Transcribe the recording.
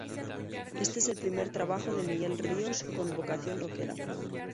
Este es el primer trabajo de Miguel Ríos con vocación roquera.